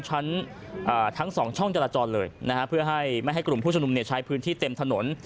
ทั้งสองช่องจราจรเลยนะฮะเพื่อให้ไม่ให้กลุ่มผู้ชมนุมใช้พื้นที่เต็มถนน